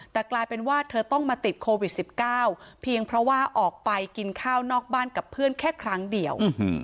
แต่กลายเป็นว่าเธอต้องมาติดโควิด๑๙เพียงเพราะว่าออกไปกินข้าวนอกบ้านกับเพื่อนแค่ครั้งเดียว